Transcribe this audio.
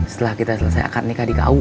setelah kita selesai akad nikah di ku